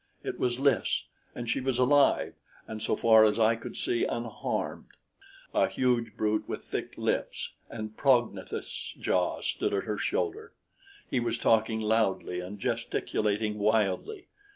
It was Lys, and she was alive and so far as I could see, unharmed. A huge brute with thick lips and prognathous jaw stood at her shoulder. He was talking loudly and gesticulating wildly.